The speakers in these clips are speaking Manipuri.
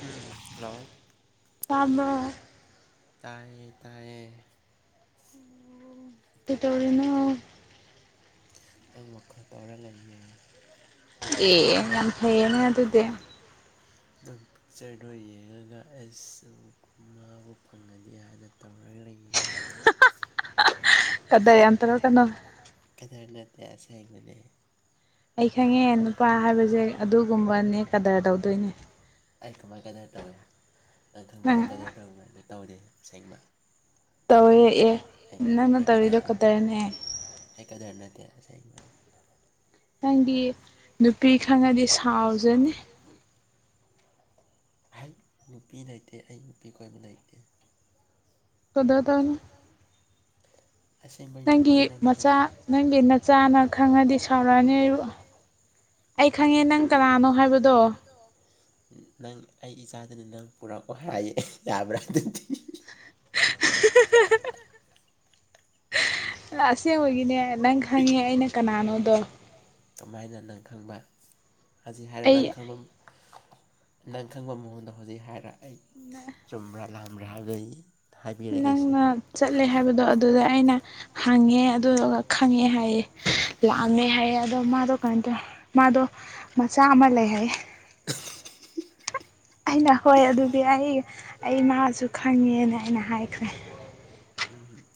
ꯎꯝ ꯍꯜꯂꯣ ꯇꯥꯕꯣꯔ ꯇꯥꯏꯌꯦ ꯇꯥꯏꯌꯦ ꯀꯩꯗꯧꯔꯤꯅꯣ ꯅꯪ ꯋꯥꯈꯜ ꯇꯧꯔ ꯂꯩꯌꯦ ꯫ ꯑꯦ ꯌꯥꯝ ꯐꯩꯌꯦꯅꯦ ꯑꯗꯨꯗꯤ ꯑꯗꯨꯝ ꯄꯤꯛꯆꯔꯗꯣ ꯌꯦꯡꯉꯒ ꯑꯩꯁꯨꯃꯕꯨ ꯐꯪꯒꯅꯤ ꯍꯥꯏꯅ ꯇꯧꯔꯒ ꯂꯩꯌꯦ꯫ [unintelligible] ꯌꯥꯝ ꯇꯧꯔꯛꯀꯅꯣ ꯀꯗ꯭ ꯅꯠꯇꯦ ꯀꯗ꯭ꯔ ꯑꯁꯦꯡꯕꯅꯦ꯫ ꯑꯩ ꯈꯪꯉꯦ ꯅꯨꯄꯥ ꯍꯥꯏꯕꯁꯦ ꯑꯗꯨꯒꯨꯝꯕꯅꯦ ꯀꯗꯔ ꯇꯧꯗꯣꯏꯅꯦ꯫ ꯑꯩ ꯀꯃꯥꯏ ꯀꯗꯔ ꯇꯧꯏꯦ ꯅꯪ ꯈꯪꯕ ꯑꯩ ꯀꯗꯔ ꯇꯧꯔꯤꯕ꯭ꯔꯥꯅ ꯇꯧꯗꯦ ꯑꯁꯦꯡꯕ꯫ ꯇꯧꯋꯦ ꯑꯦ ꯑꯩ ꯅꯪꯅ ꯇꯧꯔꯤꯗꯣ ꯈꯠꯇꯔꯅꯦꯍ꯫ ꯑꯦ ꯀꯗꯔꯅꯇꯦ ꯑꯁꯦꯡꯕꯟ ꯅꯪꯗꯤ ꯅꯨꯄꯤ ꯈꯪꯉꯗꯤ ꯁꯥꯎꯖꯅꯤ꯫ ꯍꯩ ꯅꯨꯄꯤ ꯂꯩꯇꯦ ꯑꯩ ꯅꯨꯄꯤ ꯀꯣꯏꯕ ꯂꯩꯇꯦ꯫ ꯀꯗꯔ ꯇꯥꯅꯨ꯫ ꯑꯁꯦꯡꯕꯩ ꯅꯨꯄꯤ ꯅꯪꯒꯤ ꯀꯣꯏꯅꯕ ꯂꯩ ꯃꯆꯥ ꯅꯪꯒꯤ ꯅꯆꯥꯅ ꯈꯪꯉꯗꯤ ꯁꯥꯎꯔꯛꯑꯅꯤ ꯑꯩꯕꯨ꯫ ꯑꯩ ꯈꯪꯉꯦ ꯅꯪ ꯀꯅꯥꯅꯣ ꯍꯥꯏꯕꯗꯣ꯫ ꯅꯪ ꯑꯩ ꯏꯆꯥꯗꯅꯤ ꯅꯪ ꯄꯨꯔꯛꯑꯣ ꯍꯥꯏꯌꯦ ꯌꯥꯕ꯭ꯔꯥ ꯑꯗꯨꯗꯤ [unintelligible] ꯑꯁꯦꯡꯕꯒꯤꯅꯦ ꯅꯪ ꯈꯪꯉꯦ ꯑꯩꯅ ꯀꯅꯥꯅꯣꯗꯣ꯫ ꯀꯃꯍꯥꯏꯅ ꯅꯪ ꯈꯪꯕ ꯍꯧꯖꯤꯛ ꯍꯥꯏꯔ ꯅꯪ ꯑꯩ ꯈꯪꯕ ꯅꯪ ꯈꯪꯕ ꯃꯑꯣꯡꯗ ꯍꯧꯖꯤꯛ ꯍꯥꯏꯔ ꯑꯩ ꯆꯨꯝꯕ꯭ꯔꯥ ꯂꯜꯕꯔ ꯍꯥꯏꯕꯩ ꯅꯪꯅ ꯆꯠꯂꯦ ꯍꯥꯏꯕꯗꯣ ꯑꯗꯨꯗ ꯑꯩꯅ ꯍꯪꯉꯦ ꯑꯗꯨꯗꯨꯒ ꯈꯪꯉꯦ ꯍꯥꯏꯌꯦ ꯂꯥꯛꯑꯝꯃꯦ ꯍꯥꯏꯌꯦ ꯑꯗꯣ ꯃꯥꯗꯣ ꯀꯃꯥꯏ ꯇꯧꯋ ꯃꯥꯗꯣ ꯃꯆꯥ ꯑꯃ ꯂꯩ ꯍꯥꯏꯌꯦ꯫ [unintelligible] ꯑꯩꯅ ꯍꯣꯏ ꯑꯗꯨꯗꯤ ꯑꯩ ꯑꯩꯃꯁꯨ ꯈꯪꯉꯦꯅ ꯑꯩꯅ ꯍꯥꯏꯈ꯭ꯔꯦ꯫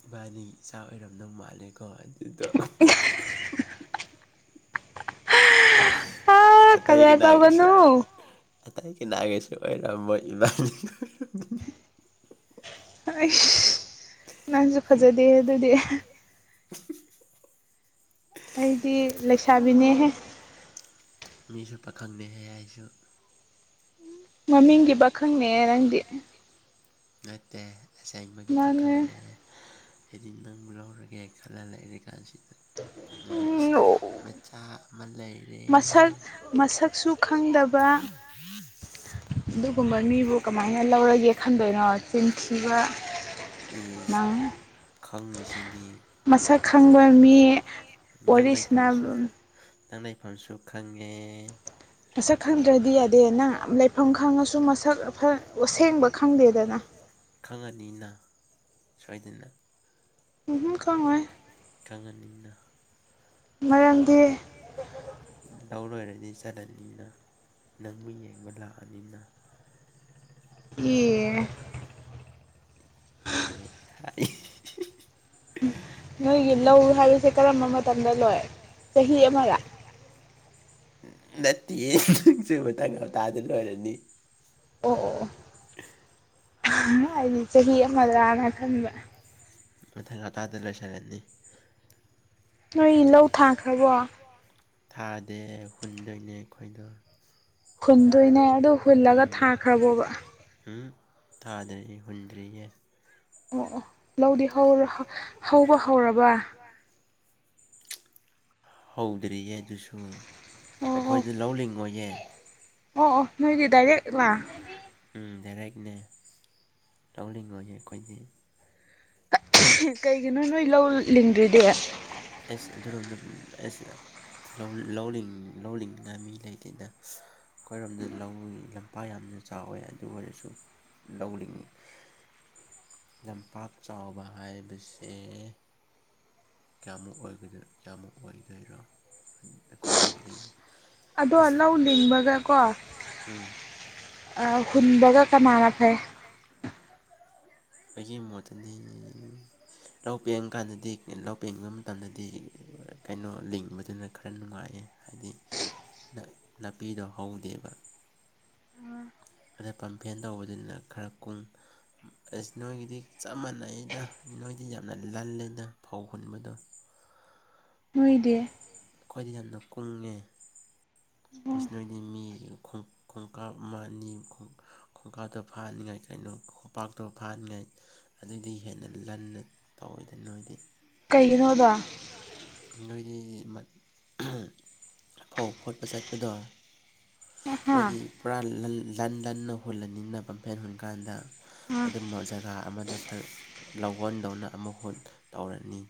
ꯏꯕꯥꯅꯤ ꯏꯆꯥ ꯑꯣꯏꯔꯝꯗꯧ ꯃꯥꯜꯂꯦꯀꯣ ꯑꯗꯨꯗꯣ ꯑꯥ ꯑꯇꯩꯒꯤ ꯀꯗꯔ ꯅꯥꯒꯤꯁꯨ ꯇꯧꯒꯅꯨ ꯑꯇꯩ ꯀ ꯅꯥꯒꯤꯁꯨ ꯑꯣꯏꯔꯝꯃꯣꯏ ꯏꯃꯥꯅꯤꯒꯤ [unintelligible] ꯑꯩ ꯅꯪꯁꯨ ꯐꯖꯗꯦ ꯑꯗꯨꯗꯤ꯫ ꯑꯩꯗꯤ ꯂꯩꯁꯥꯕꯤꯅꯦꯍꯦ꯫ ꯃꯤꯁꯨ ꯄꯥꯈꯪꯅꯦꯍꯦꯛ ꯍꯥꯏꯁꯨ ꯃꯃꯤꯡꯒꯤ ꯄꯥꯈꯪꯅꯦ ꯅꯪꯗꯤ꯫ ꯅꯠꯇꯦ ꯑꯁꯦꯡꯕꯒꯤ ꯃꯥꯅꯦ ꯄꯥꯈꯪꯅꯦ꯫ ꯍꯥꯏꯗꯤ ꯅꯪꯕꯨ ꯂꯧꯔꯒꯦ ꯈꯜꯂ ꯂꯩꯔꯤ ꯀꯥꯟꯁꯤꯗ ꯑꯩꯅ꯫ ꯎꯝ ꯃꯆꯥ ꯑꯃ ꯂꯩꯔꯦ ꯃꯁꯛ ꯃꯁꯛꯁꯨ ꯈꯪꯗꯕ [unintelligible] ꯑꯗꯨꯒꯨꯝꯕ ꯃꯤꯕꯨ ꯀꯃꯥꯏꯅ ꯂꯧꯔꯒꯦ ꯈꯟꯗꯣꯏꯅꯣ ꯆꯤꯟꯊꯤꯕ꯫ ꯏꯁ ꯅꯪ ꯈꯪꯉꯤꯁꯤꯗꯤꯕ ꯃꯁꯛ ꯈꯪꯕ ꯃꯤ ꯅꯪ ꯋꯥꯔꯤ ꯉꯏꯐꯁꯨ ꯈ ꯁꯥꯟꯅꯕ [unintelligible] ꯇꯪ ꯂꯩꯩꯐꯝꯁꯨ ꯈꯪꯉꯦ ꯃꯁꯛ ꯈꯪꯗ꯭ꯔꯗꯤ ꯌꯥꯗꯦ ꯅꯪ ꯂꯩꯐꯝ ꯈꯪꯉꯁꯨ ꯃꯁꯛ ꯑꯁꯦꯡꯕ ꯈꯪꯗꯦꯗꯅ ꯈꯪꯉꯅꯤꯅ ꯁꯣꯏꯗꯅ ꯎꯍꯨꯝ ꯈꯪꯉꯣꯏ ꯈꯪꯍꯟꯅꯤꯡꯅ ꯃꯔꯝꯗꯤ ꯂꯧ ꯂꯣꯏꯔꯗꯤ ꯆꯠꯂꯅꯤꯅ ꯅꯪꯕꯨ ꯌꯦꯡꯕ ꯂꯥꯛꯑꯅꯤꯅ ꯌꯦ ꯑꯦ ꯑꯦ ꯍꯥꯏ [unintelligible] ꯅꯣꯏꯒꯤ ꯂꯧ ꯍꯥꯏꯕꯁꯦ ꯀꯔꯝꯕ ꯃꯇꯝꯗ ꯂꯣꯏ ꯆꯍꯤ ꯑꯃꯔ ꯅꯠꯇꯤ ꯃꯥ ꯊꯥꯪ ꯍꯞꯇꯗ ꯂꯣꯏꯔꯅꯤ ꯑꯣ ꯑꯣ ꯑꯣ [inaudible] ꯍꯥꯏꯗꯤ ꯆꯍꯤ ꯑꯃꯗ꯭ꯔꯥꯅ ꯈꯟꯕ ꯃꯊꯪ ꯍꯇꯥꯗ ꯂꯣꯏꯁꯤꯜꯂꯅꯤ ꯅꯣꯏ ꯂꯧ ꯊꯥꯈ꯭ꯔꯕꯣ ꯊꯥꯗꯦ ꯍꯨꯟꯗꯣꯏꯅꯦ ꯑꯩꯈꯣꯏꯅ ꯍꯨꯟꯗꯣꯏꯅꯦ ꯑꯗꯨ ꯎꯝ ꯍꯨꯜꯂꯒ ꯊꯥꯈ꯭ꯔꯕꯣꯕ ꯎꯝ ꯊꯥꯗꯔꯤ ꯍꯨꯟꯗ꯭ꯔꯤꯌꯦ ꯑꯣ ꯑꯣ ꯂꯧꯗꯤ ꯍꯧ ꯍꯧꯕ ꯍꯧꯔꯕ ꯋꯥ ꯍꯧꯗ꯭ꯔꯤꯌꯦ ꯑꯗꯨꯁꯨ ꯑꯣ ꯑꯣ ꯑꯩꯈꯣꯏꯗ ꯂꯧ ꯂꯤꯡꯉꯣꯏꯌꯦ ꯑꯣ ꯑꯣ ꯅꯣꯏꯗꯤ ꯗꯥꯏꯔꯦꯛꯂ ꯎꯝ ꯗꯥꯏꯔꯦꯛꯅꯦ ꯂꯧꯅꯤꯡꯉꯣꯏꯒꯤ ꯑꯩꯈꯣꯏꯗꯤ ꯀꯩꯒꯤꯅꯣ ꯅꯣꯏ ꯂꯧ ꯂꯤꯡꯗ꯭ꯔꯤꯗꯤ ꯑꯦ [unintelligible] ꯂꯧ ꯂꯧꯉꯥ ꯃꯤ ꯂꯩꯇꯦꯗ ꯑꯩꯈꯣꯏꯔꯣꯝꯗ ꯂꯧ ꯂꯝꯄꯥꯛ ꯌꯥꯝꯅ ꯆꯥꯎꯋꯦ ꯑꯗꯨ ꯑꯣꯏꯔꯁꯨ ꯂꯧ ꯂꯝꯄꯥꯛ ꯆꯥꯎꯕ ꯍꯥꯏꯕꯁꯦ ꯀꯌꯥꯃꯨꯛ ꯀꯌꯥꯃꯨꯛ ꯑꯣꯏꯗꯣꯏꯔꯣ ꯑꯩꯈꯣꯏꯔꯣꯝꯗꯤ ꯑꯗꯣ ꯂꯧ ꯂꯤꯡꯕꯒ ꯀꯣ ꯎꯝ ꯍꯨꯟꯕꯒ ꯀꯅꯅ ꯐꯩ ꯑꯩꯒꯤ ꯃꯣꯠꯇꯗꯤ ꯂꯧ ꯄꯦꯡꯉꯀꯥꯟꯗꯗꯤ ꯂꯧ ꯄꯦꯡꯕ ꯃꯇꯝꯗꯗꯤ ꯀꯩꯅꯣ ꯂꯤꯡꯕꯗꯨꯅ ꯈꯔ ꯅꯨꯡꯉꯥꯏꯌꯦ ꯍꯥꯏꯗꯤ ꯅꯥꯄꯤꯗꯣ ꯍꯧꯗꯦꯕ ꯑꯗ ꯄꯝꯐꯦꯟ ꯇꯧꯕꯗꯨꯅ ꯈꯔ ꯀꯨꯡ ꯑꯁ ꯅꯣꯏꯒꯤꯗꯤ ꯆꯞ ꯃꯥꯟꯅꯩꯗ ꯅꯣꯏꯗꯤ ꯌꯥꯝꯅ ꯂꯜꯂꯦꯗ ꯐꯧ ꯈꯨꯟꯕꯗꯣ ꯅꯣꯢꯗꯤ ꯑꯩꯈꯣꯏꯗꯤ ꯌꯥꯝꯅ ꯀꯨꯡꯉꯦ ꯑꯣ ꯅꯣꯏꯗꯤ ꯃꯤ ꯈꯣꯡꯀꯥꯞ ꯑꯃ ꯑꯅꯤ ꯈꯣꯡꯒꯥꯗꯣ ꯐꯥꯍꯅꯤꯡꯉꯥꯏ ꯀꯩꯅꯣ ꯈꯣꯄꯥꯛꯇꯣ ꯐꯥꯍꯅꯤꯡꯉꯥꯏ ꯑꯗꯨꯏꯗꯤ ꯍꯦꯟꯅ ꯂꯟꯅ ꯇꯧꯋꯏꯗ ꯅꯣꯏꯗꯤ ꯀꯩꯒꯤꯅꯣꯗꯣ ꯅꯣꯏꯗꯤ ꯐꯧ ꯐꯣꯠꯄ ꯆꯠꯄꯗꯣ ꯑꯍꯥ ꯅꯣꯏꯗꯤꯗꯤ ꯄꯨꯔꯥ ꯂꯟ ꯂꯟꯅ ꯍꯨꯜꯂꯅꯤꯅ ꯄꯝꯐꯦꯟ ꯍꯨꯟꯀꯥꯟꯗ ꯑꯥ ꯑꯗꯨꯝꯕ ꯖꯒꯥ ꯑꯃꯗ ꯂꯧꯣꯟꯗꯧꯅ ꯑꯃꯨꯛ ꯍꯨ ꯇꯧꯔꯅꯤ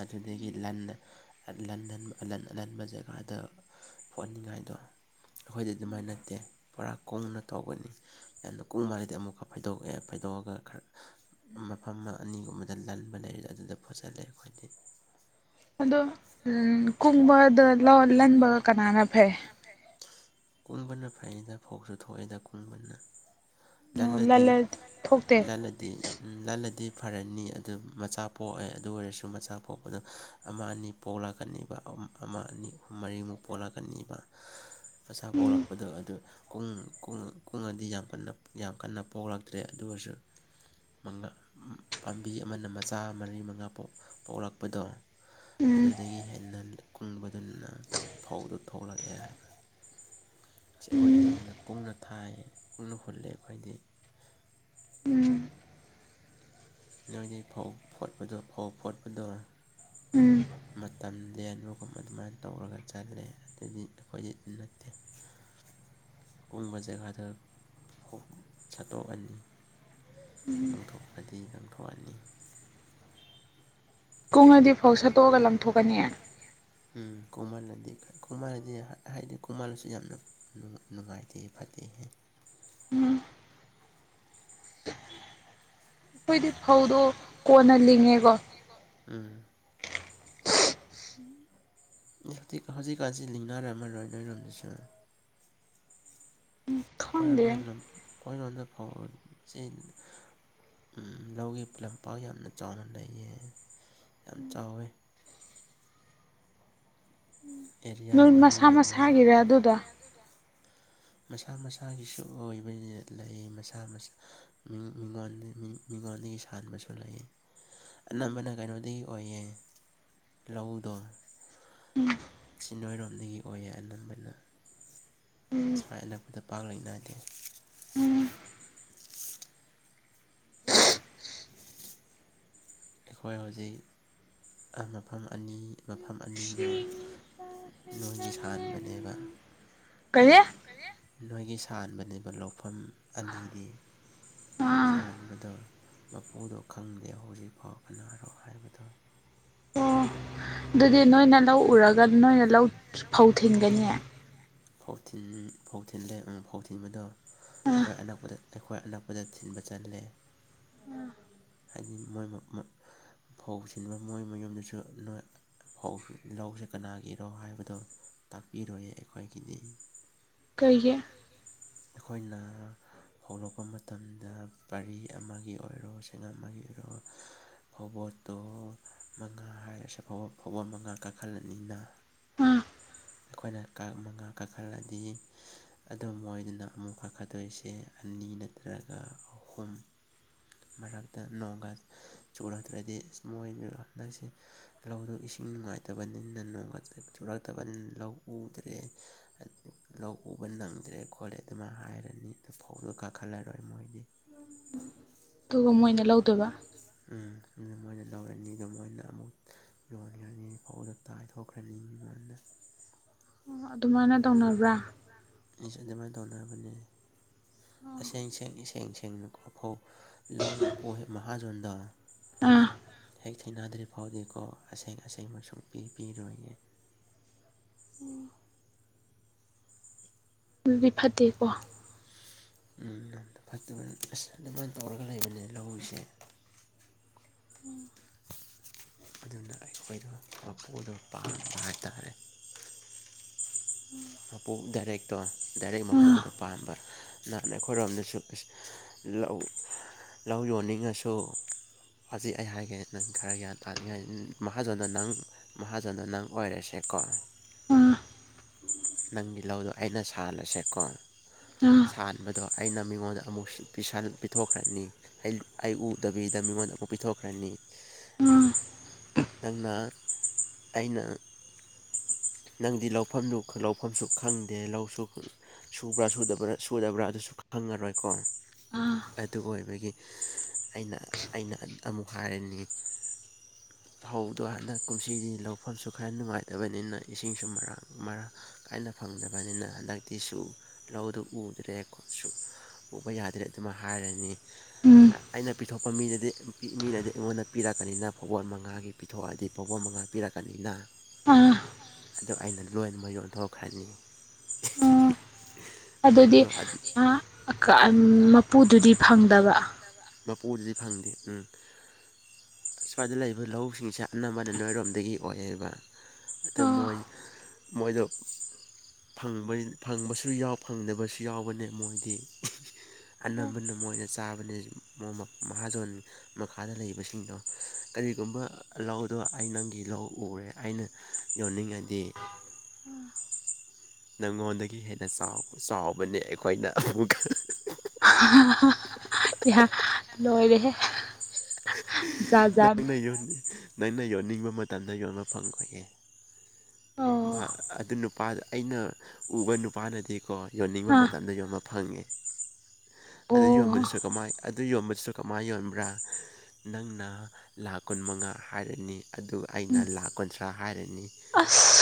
ꯑꯗꯨꯗꯒꯤ ꯂꯟꯅ ꯑꯍꯟꯕ ꯖꯒꯥꯗ ꯐꯣꯛꯍꯅꯤꯡꯉꯥꯏꯗꯣ ꯑꯩꯈꯣꯏꯗꯤ ꯑꯗꯨꯃꯥꯏꯅ ꯅꯠꯇꯦ ꯄꯨꯔꯥ ꯀꯨꯡꯅ ꯇꯧꯒꯅꯤ ꯌꯥꯝꯅ ꯀꯨꯡ ꯃꯥꯜꯒꯗꯤ ꯑꯃꯨꯛꯀ ꯐꯩꯗꯣꯛꯑꯦ ꯐꯥꯏꯗꯣꯛꯑꯒ ꯈꯔ ꯃꯐꯝ ꯑꯅꯤꯒꯨꯝꯕꯗ ꯂꯟꯕꯅꯦ ꯑꯗꯨꯗ ꯐꯣꯠꯆꯂꯦ ꯑꯩꯈꯣꯏꯗꯤ ꯑꯗꯣ ꯀꯨꯡꯕꯗ ꯂꯧ ꯂꯟꯕꯒ ꯀꯅꯥꯅ ꯐꯩ ꯀꯨꯡꯕꯅ ꯐꯩꯉꯗ ꯐꯧꯁꯨ ꯊꯣꯛꯑꯦꯗ ꯀꯨꯡꯕꯅ ꯑꯣ ꯂꯜꯂꯗꯤ ꯂꯜꯂ ꯊꯣꯛꯇꯦ ꯂꯜꯂꯗꯤ ꯂꯜꯂꯗꯤ ꯐꯔꯅꯤ ꯑꯗꯨ ꯃꯆꯥ ꯄꯣꯛꯑꯦ ꯑꯗꯨ ꯑꯣꯏꯔꯁꯨ ꯃꯆꯥ ꯄꯣꯛꯄꯗ ꯑꯃ ꯑꯅꯤ ꯄꯣꯛ ꯂꯥꯛꯀꯅꯤꯕ ꯑꯃ ꯑꯅꯤ ꯑꯍꯨꯝ ꯃꯔꯤꯃꯨꯛ ꯄꯣꯛꯂꯛꯀꯅꯤꯕ [inaudible] ꯃꯁꯥ ꯎꯝ ꯄꯣꯛꯂꯛꯄꯗꯣ ꯑꯗꯨ ꯀꯨꯡ ꯀꯨꯡ ꯑꯗꯤ ꯌꯥꯝ ꯀꯟ ꯌꯥꯝ ꯀꯟꯅ ꯄꯣꯛꯂꯛꯇ꯭ꯔꯦ ꯑꯗꯨꯁꯨ ꯄꯥꯝꯕꯤ ꯑꯃꯅ ꯃꯆꯥ ꯃꯔꯤ ꯃꯉꯥ ꯄꯣꯛꯂꯛꯄꯗꯣ ꯎꯝ ꯑꯗꯨꯗꯒꯤ ꯍꯦꯟꯅ ꯀꯨꯡꯕꯗꯨꯅ ꯐꯧꯗꯨ ꯊꯣꯛꯂꯛꯑꯦ ꯍꯥꯏꯕ ꯑꯁ ꯑꯩꯈꯣꯏꯗꯤ ꯎꯝ ꯌꯥꯝꯅ ꯀꯨꯡꯅ ꯊꯥꯏ ꯀꯨꯡꯅ ꯍꯨꯜꯂꯦ ꯑꯩꯈꯣꯏꯗꯤ ꯎꯝ ꯅꯣꯏꯗꯤ ꯐꯧ ꯐꯣꯠꯄꯗꯣ ꯐꯧ ꯐꯣꯠꯄꯗꯣ ꯎꯝ ꯃꯇꯝ ꯂꯦꯟꯕꯒꯨꯝꯕ ꯑꯗꯨꯃꯥꯏꯅ ꯇꯧꯔꯒ ꯆꯠꯂꯦ ꯑꯗꯨꯗꯤ ꯑꯩꯈꯣꯏꯗꯤ ꯅꯠꯇꯦ [inaudible] ꯀꯨꯡꯕ ꯖꯒꯥꯗꯣ ꯐꯧ ꯁꯥꯠꯇꯣꯛꯑꯅꯤ ꯉꯥꯡꯊꯣꯛꯄꯗꯤ ꯉꯥꯡꯊꯣꯛꯑꯅꯤ ꯀꯨꯡꯉꯗꯤ ꯀꯣꯡꯅꯗꯤ ꯐꯥꯎ ꯁꯠꯇꯣꯛꯑꯒ ꯂꯪꯊꯣꯛꯀꯅꯤ ꯎꯝ ꯀꯨꯡꯃꯜꯂꯗꯤ ꯀꯨꯡꯃꯜꯂꯗꯤ ꯍꯥꯏꯗꯤ ꯀꯨꯡꯃꯜꯂꯁꯨ ꯌꯥꯝꯅ ꯅꯨꯡꯉꯥꯏꯇꯦ ꯐꯠꯇꯦ ꯎꯝ ꯑꯩꯈꯣꯏꯗꯤ ꯐꯧꯗꯣ ꯀꯣꯟꯅ ꯂꯤꯡꯉꯦꯀꯣ ꯎꯝ ꯍꯧꯖꯤꯛ ꯍꯧꯖꯤꯛꯀꯥꯟꯁꯤ ꯂꯤꯡꯅꯥꯔꯝꯃꯔꯣꯏ ꯅꯣꯏꯔꯣꯝꯗꯁꯨ ꯑꯩꯈꯣꯏꯔꯣꯝꯗ ꯈꯪꯗꯦ ꯂꯝ ꯑꯩꯈꯣꯏꯔꯣꯝꯗ ꯐꯧꯁꯦ ꯎ ꯂꯧꯒꯤ ꯂꯝꯄꯥꯛ ꯌꯥꯝꯅ ꯆꯥꯎꯅ ꯂꯩꯌꯦ ꯌꯥꯝ ꯆꯥꯎꯋꯦ ꯑꯦꯔꯤꯌꯥ ꯅꯣꯏ ꯃꯔꯤ ꯃꯁꯥ ꯃꯉꯥ ꯃꯁꯥꯒꯤꯔ ꯑꯗꯨꯗꯣ [unintelligible] ꯃꯁꯥ ꯃꯁꯥꯒꯤꯁꯨ ꯑꯣꯏꯕ ꯂꯩ ꯃꯁꯥ ꯃꯁꯥ ꯃꯤꯉꯣꯟ ꯃꯤꯉꯣꯟꯗꯒꯤ ꯁꯥꯟꯕꯁꯨ ꯂꯩ ꯑꯅꯝꯕꯅ ꯀꯩꯅꯣꯗꯒꯤ ꯑꯣꯏꯌꯦ ꯂꯧꯗꯣ ꯁꯤ ꯅꯣꯏꯔꯣꯝꯗꯒꯤ ꯑꯣꯏꯌꯦ ꯑꯅꯝꯕꯅ ꯁ꯭ꯋꯥꯏ ꯑꯅꯛꯄꯗ ꯄꯥꯛ ꯂꯩ ꯅꯥꯗꯦ [unintelligible] ꯑꯩꯈꯣꯏ ꯍꯧꯖꯤꯛ ꯃꯐꯝ ꯑꯅꯤ ꯃꯐꯝ ꯑꯅꯤꯗꯣ ꯅꯣꯏꯒꯤ ꯁꯥꯟꯕꯅꯦꯕ ꯀꯔꯤ [unintelligible] ꯅꯣꯏꯒꯤ ꯁꯥꯟꯕꯅꯦꯕ ꯂꯧꯐꯝ ꯑꯅꯤꯗꯤ ꯑꯥ ꯁꯥꯍꯥꯟꯕꯗꯣ ꯃꯄꯨꯗꯣ ꯈꯪꯗꯦ ꯍꯧꯖꯤꯛꯐꯥꯎ ꯀꯅꯥꯔꯣ ꯍꯥꯏꯕꯗꯣ ꯑꯣ ꯑꯗꯨꯗꯤ ꯅꯣꯏꯅ ꯂꯧ ꯎꯔꯒ ꯅꯣꯏꯅ ꯂꯧ ꯐꯧ ꯊꯤꯟꯒꯅꯤ ꯐꯧ ꯊꯤꯟ ꯐꯧ ꯊꯤꯟ ꯂꯦ ꯐꯧ ꯊꯤꯟꯕꯗꯣ ꯑꯥ ꯑꯩꯈꯣꯏ ꯑꯅꯛꯄꯗ ꯑꯩꯈꯣꯏ ꯑꯅꯛꯄꯗ ꯊꯤꯟꯕ ꯆꯠꯂꯦ ꯍꯥꯏꯗꯤ ꯃꯣꯏ ꯃꯣꯏ ꯐꯧꯁꯤꯟꯕ ꯃꯣꯏ ꯃꯌꯨꯝꯗꯁꯨ ꯅꯣꯏ ꯐꯧ ꯂꯧꯁꯦ ꯀꯅꯥꯒꯤꯔꯣ ꯍꯥꯏꯕꯗꯣ ꯇꯥꯛꯄꯤꯔꯣꯏꯌꯦ ꯑꯩꯈꯣꯏꯒꯤꯗꯤ ꯀꯩꯒꯤ ꯑꯩꯈꯣꯏꯅ ꯐꯧ ꯂꯣꯛꯄ ꯃꯇꯝꯗ ꯄꯔꯤ ꯑꯃꯒꯤ ꯑꯣꯏꯔꯣ ꯁꯦꯡꯉꯝ ꯑꯃꯒꯤ ꯑꯣꯏꯔꯣ ꯐꯕꯣꯠꯇꯣ ꯃꯉꯥ ꯍꯥꯏꯔꯁꯦ ꯐꯕꯣ ꯐꯧꯕꯣꯠ ꯃꯉꯥ ꯀꯥꯈꯠꯂꯅꯤꯅ ꯑꯥ ꯑꯩꯈꯣꯏꯅ ꯀ ꯃꯉꯥ ꯀꯥꯈꯠꯂꯗꯤ ꯑꯗꯨꯝ ꯃꯣꯏꯗꯨꯅ ꯑꯃꯨꯛ ꯀꯥꯈꯗꯣꯏꯁꯦ ꯑꯅꯤ ꯅꯠꯇ꯭ꯔꯒ ꯑꯍꯨꯝ ꯃꯔꯛꯇ ꯅꯣꯡꯒ ꯆꯨꯔꯗ꯭ꯔꯗꯤ ꯏꯁ ꯃꯣꯏ ꯍꯟꯗꯛꯁꯤ ꯂꯧꯗꯨ ꯏꯁꯤꯡ ꯅꯨꯡꯉꯥꯏꯇꯕꯅꯤꯅ ꯅꯣꯡꯒ ꯆꯨꯔꯛꯇꯕꯅꯤꯅ ꯂꯧ ꯎꯗ꯭ꯔꯦ ꯂꯧ ꯎꯕ ꯅꯪꯗ꯭ꯔꯦ ꯈꯣꯠꯂꯦ ꯑꯗꯨꯃ ꯍꯥꯏꯔꯅꯤ ꯑꯗꯨ ꯐꯧꯗꯣ ꯀꯥꯈꯠꯂꯔꯣꯏ ꯃꯣꯏꯗꯤ ꯇ ꯃꯣꯏꯅ ꯂꯧꯗꯣꯏꯕ ꯎ ꯃꯅ ꯇꯧꯔꯅꯤꯗ ꯃꯣꯏꯅꯨ ꯌꯣꯟꯈ꯭ꯔꯅꯤ ꯐꯥꯎꯕꯗ ꯇꯥꯏꯊꯣꯛꯈ꯭ꯔꯅꯤ ꯑꯩꯉꯣꯟꯗ ꯑꯗꯨꯃꯥꯏꯅ ꯇꯧꯅꯕ꯭ꯔꯥ ꯑꯗꯨꯃꯥꯏꯅ ꯇꯧꯅꯅꯕꯅꯦ ꯑꯁꯦꯡ ꯁꯦꯡ ꯏꯁꯦꯡ ꯁꯦꯡꯅꯀꯣ ꯐꯧ ꯂꯧ ꯃꯄꯣꯛ ꯃꯍꯥꯖꯣꯟꯗ ꯑꯥ ꯍ ꯊꯦꯡꯅꯗ꯭ꯔꯤ ꯐꯥꯎꯗꯤꯀꯣ ꯑꯁꯦꯡ ꯑꯁꯦꯡꯕ ꯁꯨꯡ ꯄꯤ ꯄꯤꯔꯣꯏꯒꯦ ꯑꯗꯨꯗꯤ ꯐꯠꯇꯦꯀꯣ ꯎ ꯐꯠꯇꯕꯅꯤ ꯑꯁ ꯑꯗꯨꯃꯥꯏꯅ ꯇꯧꯔꯒ ꯂꯩꯕꯅꯦ ꯂꯧꯎꯁꯦ ꯑꯗꯨꯅ ꯑꯩꯈꯣꯏꯗ ꯃꯨꯗꯣ ꯄꯥꯝꯕ ꯍꯥꯏꯇꯥꯔꯦ ꯃꯄꯨ ꯗꯥꯏꯔꯦꯛꯇꯣ ꯗꯥꯏꯔꯦꯛ ꯑꯥ ꯃꯄꯨꯗꯣ ꯄꯥꯟꯕ ꯅꯍꯥꯟ ꯑꯩꯈꯣꯏꯔꯣꯝꯗꯁꯨ ꯂꯧ ꯂꯧ ꯌꯣꯟꯅꯤꯡꯉꯁꯨ ꯐꯥꯖꯩ ꯑꯩ ꯍꯥꯏꯒꯦ ꯅꯪ ꯈꯔ ꯒ꯭ꯌꯥꯟ ꯇꯥꯅꯤꯡꯉꯥꯏ ꯃꯍꯥꯖꯣꯟꯅ ꯅꯪ ꯃꯍꯥꯖꯅ ꯅꯪ ꯑꯣꯏꯔꯁꯦꯀꯣ ꯑꯥ ꯅꯪ ꯇꯤꯜꯍꯧꯗꯣ ꯑꯩꯅ ꯁꯥꯟꯂꯁꯦꯀꯣ ꯑꯥ ꯁꯥꯟꯕꯗ ꯑꯗꯣ ꯑꯩꯅ ꯃꯤꯉꯣꯟꯗ ꯑꯃꯨꯛ ꯄꯤꯊꯣꯛꯈ꯭ꯔꯅꯤ ꯑꯩ ꯎꯗꯕꯤꯗ ꯃꯤꯉꯣꯟꯗ ꯑꯃꯨꯛ ꯄꯤꯊꯣꯛꯈ꯭ꯔꯅꯤ ꯑꯥ ꯅꯪꯅ ꯑꯩꯅ ꯅꯪꯗꯤ ꯂꯧꯐꯝꯗꯨ ꯂꯧꯐꯝꯁꯨ ꯈꯪꯗꯦ ꯂꯧꯁꯨ ꯁꯨꯕ꯭ꯔꯥ ꯁꯨꯗꯕ꯭ꯔꯥ ꯑꯗꯨꯁꯨ ꯈꯪꯉꯔꯣꯏꯀꯣ ꯑꯥ ꯑꯗꯨ ꯑꯣꯏꯕꯒꯤ ꯑꯩꯅ ꯑꯩꯅ ꯑꯃꯨꯛ ꯍꯥꯏꯔꯅꯤꯡꯉꯤ ꯐꯧꯗꯣ ꯍꯟꯗꯛ ꯀꯨꯝꯁꯤꯗꯤ ꯂꯧꯐꯝꯁꯨ ꯈꯔ ꯅꯨꯡꯉꯥꯏꯇꯕꯅꯤꯅ ꯏꯁꯤꯡꯁꯨ ꯃꯔꯥꯡ ꯃꯔꯥꯡ ꯀꯥꯏꯅ ꯐꯪꯗꯕꯅꯤꯅ ꯍꯟꯗꯛꯇꯤꯁꯨ ꯂꯧꯗꯨ ꯎꯗ꯭ꯔꯦꯀꯣꯁꯨ ꯎꯄ ꯌꯥꯗ꯭ꯔꯦ ꯑꯗꯨꯃ ꯍꯥꯏꯔꯅꯤ ꯎꯝ ꯑꯩꯅ ꯄꯤꯊꯣꯛꯄ ꯃꯤꯗꯗꯤ ꯃꯤꯅꯗꯤ ꯑꯩꯉꯣꯟꯗ ꯄꯤꯔꯛꯀꯅꯤꯅ ꯐꯨꯠꯕꯣꯜ ꯃ ꯉꯉꯥꯒꯤ ꯄꯤꯊꯣꯛꯑꯗꯤ ꯐꯥꯎꯕ ꯃꯉꯥ ꯄꯤꯔꯛꯀꯅꯤꯅ ꯑꯥ ꯑ ꯑꯩꯅ ꯂꯣꯏꯅꯃꯛ ꯌꯣꯟꯊꯣꯛꯈ꯭ꯔꯅꯤ ꯑꯣ ꯑꯗꯨꯗꯤ ꯐꯧꯗꯣ ꯃꯄꯨꯗꯨꯗꯤ ꯐꯪꯗꯕ ꯄꯣꯠꯇꯨꯗꯤ ꯐꯪꯗꯦ ꯎꯝ ꯁ꯭ꯋꯥꯏꯗ ꯂꯩꯕ ꯑꯗꯨ ꯂꯧꯁꯤꯡꯁꯦ ꯑꯅꯝꯕꯅ ꯅꯣꯏꯔꯣꯝꯗꯒꯤ ꯑꯣꯏꯌꯦꯕ ꯑꯗꯨ ꯑꯣ ꯃꯣꯏ ꯃꯣꯏꯗ ꯕ ꯐꯪꯕꯁꯨ ꯌꯥꯎ ꯐꯪꯗꯕꯁꯨ ꯌꯥꯎꯕꯅꯦ ꯃꯣꯏꯗꯤ ꯑꯅꯝꯕꯅ ꯃꯣꯏꯅ ꯆꯥꯕꯅꯦ ꯃꯍꯥꯖꯣꯟ ꯃꯈꯥꯗ ꯂꯩꯕꯁꯤꯡꯗꯣ ꯀꯔꯤꯒꯨꯝꯕ ꯂꯧꯗꯣ ꯑꯩ ꯅꯪꯒꯤ ꯂꯧ ꯎꯔꯦ ꯑꯩꯅ ꯌꯧꯅꯤꯡꯉꯗꯤ ꯅꯪꯉꯣꯟꯗꯒꯤ ꯍꯦꯟꯅ ꯆꯥꯎ ꯆꯥꯎꯕꯅꯦ ꯑꯩꯈꯣꯏꯅ ꯑꯃꯨꯛꯀ [unintelligible] ꯂꯣꯏꯣꯏꯗ ꯅꯪꯅ ꯌ ꯅꯪꯅ ꯌꯣꯟꯅꯤꯡꯕ ꯃꯇꯝꯗ ꯌꯣꯟꯕ ꯐꯪꯈ꯭ꯔꯌꯦꯦ ꯑꯣ ꯑꯗꯨ ꯅꯨꯄꯥꯗ ꯑꯩꯅ ꯎꯕ ꯅꯨꯄꯥꯅꯗꯤꯀꯣ ꯌꯣꯟꯅꯤꯡꯕ ꯑꯥ ꯃꯇꯝꯗ ꯌꯣꯟꯕ ꯐꯪꯉꯦ ꯑꯗꯨ ꯑꯣ ꯌꯣꯟꯕꯗꯨꯁꯨ ꯀꯃꯥꯏ ꯑꯗꯨ ꯌꯣꯟꯕꯗꯨꯁꯨ ꯀꯃꯥꯏ ꯌꯣꯟꯕ꯭ꯔꯥ ꯅꯪ ꯅ ꯂꯥꯈ ꯀꯨꯟ ꯃꯉꯥ ꯍꯥꯏꯔꯅꯤ ꯑꯗꯨꯒ ꯑꯩꯅ ꯂꯥꯈ ꯀꯨꯟꯊ꯭ꯔꯥ ꯍꯥꯏꯔꯅꯤ ꯑꯁ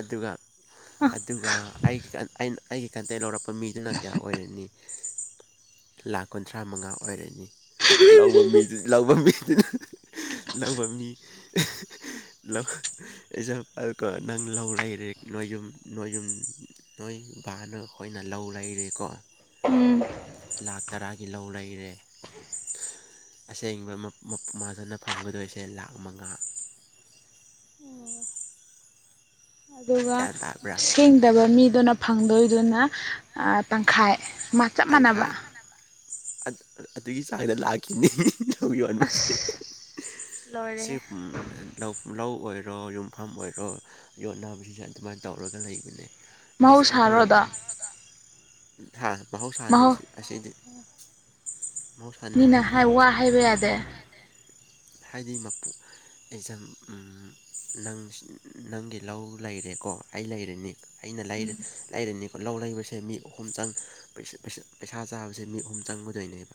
ꯑꯗꯨꯒꯥꯔ ꯑꯗꯨꯒ ꯑꯩꯒꯤ ꯑꯩꯒꯤ ꯀꯟꯇꯦꯛ ꯂꯧꯔꯛꯄ ꯃꯤꯗꯨꯅ ꯀꯌꯥ ꯑꯣꯏꯔꯅꯤ ꯂꯥꯈ ꯀꯨꯟꯊ꯭ꯔꯥ ꯃꯉꯥ ꯑꯣꯏꯔꯅꯤ ꯂ ꯃꯤ ꯂꯧꯕ ꯃꯤ ꯂꯥꯎꯕꯝꯃꯤ ꯂ ꯑꯦꯖꯥꯝꯄꯜ ꯀ ꯅꯪ ꯂꯧꯔꯔꯦ ꯅꯣꯢꯌꯨꯝ ꯅꯣꯢꯌꯨꯝ ꯅꯣꯏꯕꯥꯅ ꯈꯣꯏꯅ ꯂꯧ ꯂꯩꯔꯦꯀꯣ ꯎꯝ ꯂꯥꯛꯈ ꯇꯔꯥꯒꯤ ꯂꯧ ꯂꯩꯔꯦ ꯑꯁꯦꯡꯕ ꯃꯥꯖꯅ ꯐꯪꯒꯗꯣꯏꯁꯦ ꯂꯥꯛ ꯃꯉꯥ ꯑꯗꯨꯒ ꯒ꯭ꯌꯥꯟ ꯇꯥꯕ꯭ꯔꯥ ꯁꯦꯡꯗꯕ ꯃꯤꯗꯨꯅ ꯐꯪꯗꯣꯏꯗꯨꯅ ꯇꯪꯈꯥꯏ ꯃꯥ ꯆꯞ ꯃꯥꯟꯅꯕ ꯇꯪꯈꯥꯏ ꯑꯗꯨꯒꯤ ꯆꯥꯡꯗ ꯂꯥꯛꯈꯤꯅꯤ ꯂꯧ ꯌꯣꯟꯕꯁꯦ ꯑꯁ ꯁꯤ ꯂꯣꯏꯔꯦꯍꯦ ꯂꯧ ꯑꯣꯏꯔꯣ ꯌꯨꯝꯐꯝ ꯑꯣꯏꯔꯣ ꯌꯣꯟꯠꯅꯕꯁꯤꯡꯁꯦ ꯑꯗꯨꯃꯥꯏꯅ ꯇꯧꯔꯒ ꯂꯩꯕꯅꯦ ꯏꯁ ꯑꯩꯈꯣꯏ ꯃꯍꯧꯁꯥꯔꯣ ꯑꯗꯣ ꯃꯍꯥꯎ ꯁꯅꯦ ꯃꯍꯧ ꯑꯁꯤꯗꯤ ꯃꯍꯧꯁꯥꯅꯤ ꯍꯥꯏꯗꯤ ꯃꯤꯅ ꯋꯥ ꯍꯥꯏꯕ ꯌꯥꯗꯦ ꯍꯥꯏꯗꯤ ꯃꯄꯨ ꯑꯦꯖꯝ ꯅꯪ ꯅꯪꯒꯤ ꯂꯧ ꯂꯩꯔꯦꯀꯣ ꯑꯩ ꯂꯩꯔꯅꯤ ꯑꯩꯅ ꯂꯩꯔꯅꯤꯀꯣ ꯂꯧ ꯂꯩꯕꯁꯦ ꯃꯤ ꯑꯍꯨꯝ ꯆꯪ ꯄꯩꯁꯥ ꯆꯥꯕꯁꯦ ꯃꯤ ꯑꯍꯨꯝ ꯆꯪꯒꯗꯣꯏꯅꯦꯕ